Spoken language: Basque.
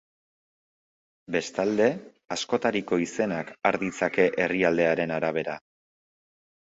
Bestalde, askotariko izenak har ditzake herrialdearen arabera.